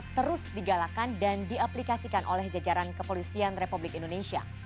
terus digalakan dan diaplikasikan oleh jajaran kepolisian republik indonesia